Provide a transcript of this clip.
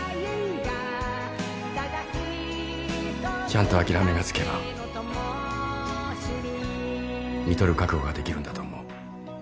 ちゃんと諦めがつけばみとる覚悟ができるんだと思う。